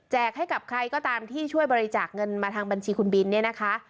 แจกให้กับใครก็ตามที่ช่วยบริจาคเงินมาทางบัญชีคุณบิน